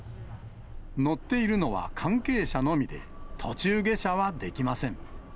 乗っているのは関係者のみで、途中下車はできません。